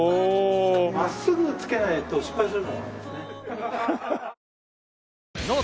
真っすぐ突けないと失敗する。